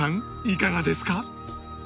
いかがですか？